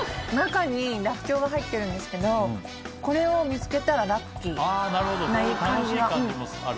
中にらっきょうが入ってるんですけどこれを見つけたらラッキーな感じが。